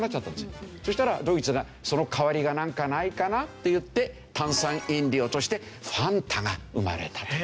そしたらドイツがその代わりがなんかないかな？といって炭酸飲料としてファンタが生まれたと。